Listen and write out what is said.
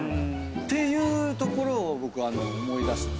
ていうところを僕思い出したんです。